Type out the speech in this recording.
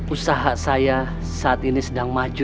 usaha saya saat ini sedang maju